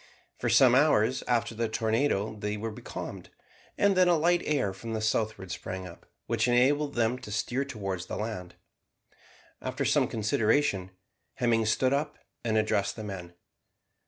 For some hours after the tornado they were becalmed, and then a light air from the southward sprang up, which enabled them to steer towards the land. After some consideration, Hemming stood up and addressed the men.